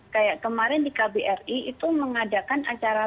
kayak kemarin di kbri itu mengadakan acara